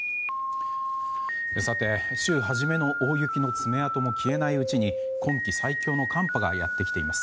さて、週初めの大雪の爪痕も消えないうちに今季最強の寒波がやってきています。